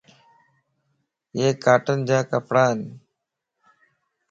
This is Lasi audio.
يي ڪاٽن جا ڪپڙان